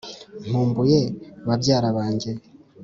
Nkumbuye babyara banjye